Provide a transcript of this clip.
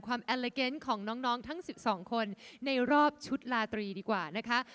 ความแอลเลเก็นต์ของน้องทั้ง๑๒คนในรอบชุดลาตรีดีกว่านะครับ